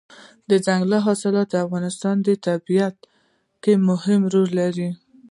دځنګل حاصلات د افغانستان په طبیعت کې مهم رول لري.